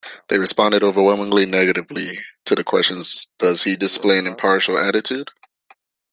They responded overwhelmingly negatively to the questions Does he display an impartial attitude?